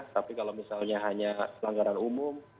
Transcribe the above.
tapi kalau misalnya hanya pelanggaran umum